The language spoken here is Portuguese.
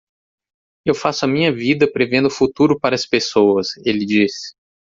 "Eu faço a minha vida prevendo o futuro para as pessoas?" ele disse.